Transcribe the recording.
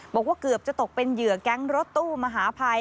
บอกว่าเกือบจะตกเป็นเหยื่อแก๊งรถตู้มหาภัย